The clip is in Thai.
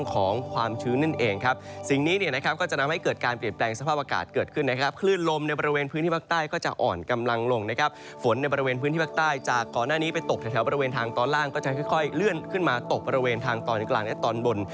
ฝนในบริเวณพื้นที่ภาคใต้จากก่อนหน้านี้ไปตกแถวบริเวณทางตอนล่างก็จะค่อยเลื่อนขึ้นมาตกบริเวณทางตอนกลางและตอนบน